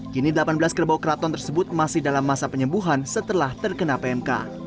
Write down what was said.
kini delapan belas kerbau keraton tersebut masih dalam masa penyembuhan setelah terkena pmk